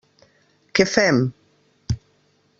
Què fem?